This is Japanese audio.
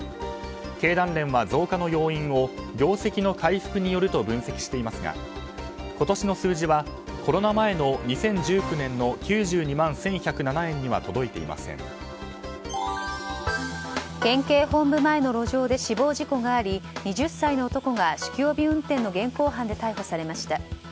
経団連は増加の要因を業績の回復によると分析していますが今年の数字はコロナ前の２０１９年の９２万１１０７円には県警本部前の路上で死亡事故があり２０歳の男が酒気帯び運転の現行犯で逮捕されました。